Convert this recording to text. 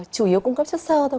chủ yếu cung cấp chất sơ thôi